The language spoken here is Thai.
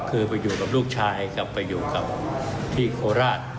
คือไปอยู่กับลูกชายกลับไปอยู่กับที่โคราช